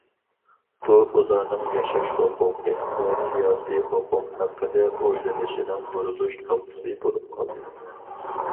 بۇ ئۇلارنىڭ ياشاش ھوقۇقى ۋە سىياسىي ھوقۇق ھەققىدە ئويلىنىشىنىڭ بۇرۇلۇش نۇقتىسى بولۇپ قالدى.